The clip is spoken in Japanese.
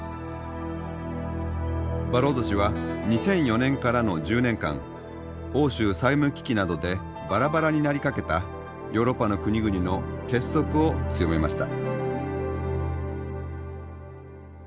バローゾ氏は２００４年からの１０年間欧州債務危機などでバラバラになりかけたヨーロッパの国々の結束を強めました。